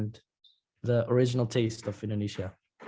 dan rasa asli indonesia